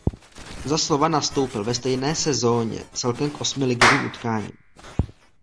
Za Slovan nastoupil ve stejné sezóně celkem k osmi ligovým utkáním.